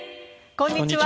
こんにちは。